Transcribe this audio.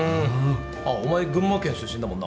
あっお前群馬県出身だもんな。